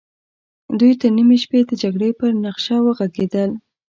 دوی تر نيمې شپې د جګړې پر نخشه وغږېدل.